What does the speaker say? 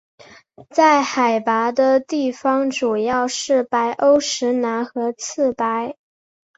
在海拔的地方主要是白欧石楠和刺柏。